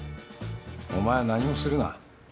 お前は何もするな。